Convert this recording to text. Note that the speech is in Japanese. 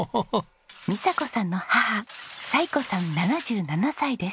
美佐子さんの母彩子さん７７歳です。